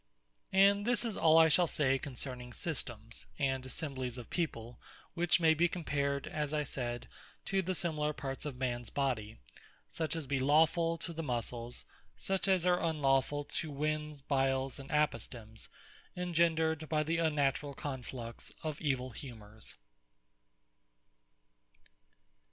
And this is all I shall say concerning Systemes, and Assemblyes of People, which may be compared (as I said,) to the Similar parts of mans Body; such as be Lawfull, to the Muscles; such as are Unlawfull, to Wens, Biles, and Apostemes, engendred by the unnaturall conflux of evill humours.